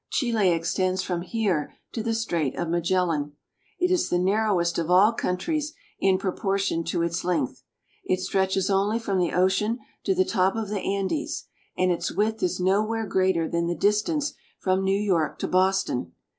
Chile extends from here to the Strait of Magellan. It is the narrowest of all countries in proportion to its length. It stretches only from the ocean to the top of the Andes, and its width is nowhere greater than the distance from New York to Boston.